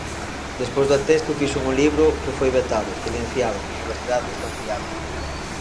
Despois da tese fixen un libro que foi vetado, silenciado, na universidade de Santiago.